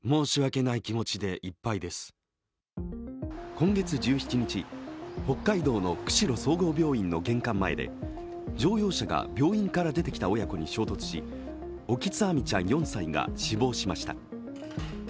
今月１７日、北海道の釧路総合病院の玄関前で乗用車が病院から出てきた親子に衝突し沖津亜海ちゃん４歳が死亡しました。